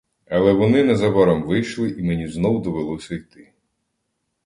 Але вони незабаром вийшли і мені знов довелося йти.